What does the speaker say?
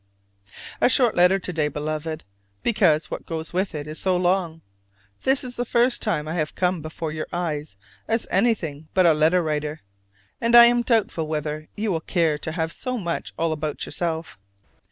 A short letter to day, Beloved, because what goes with it is so long. This is the first time I have come before your eyes as anything but a letter writer, and I am doubtful whether you will care to have so much all about yourself.